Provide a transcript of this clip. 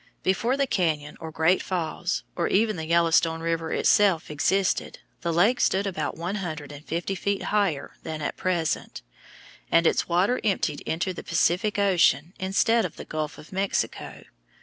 Before the cañon, or Great Falls, or even the Yellowstone River itself existed, the lake stood about one hundred and fifty feet higher than at present, and its water emptied into the Pacific Ocean instead of the Gulf of Mexico.